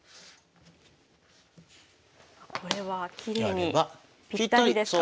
これはきれいにぴったりですか？